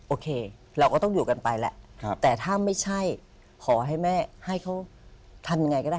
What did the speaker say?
โอเคเราก็ต้องอยู่กันไปแหละแต่ถ้าไม่ใช่ขอให้แม่ให้เขาทำยังไงก็ได้